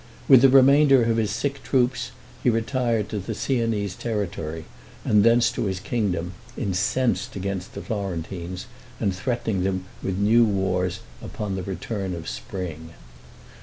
With the remainder of his sick troops he retired to the Siennese territory, and thence to his kingdom, incensed against the Florentines, and threatening them with new wars upon the return of spring.